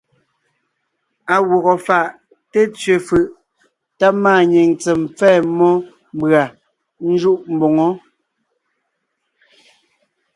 À gwɔgɔ fáʼ té tsẅe fʉʼ tá máanyìŋ tsem pfɛ́ɛ mmó mbʉ̀a ńjúʼ mboŋó.